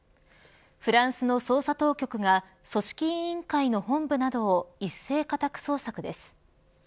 フランスの捜査当局が組織委員会の本部などを一斉家宅捜索です。